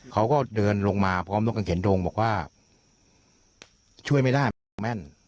เขาก็เดินลงมาพร้อมรถกันเขียนดงบอกว่าช่วยไม่ได้มันดังแม่น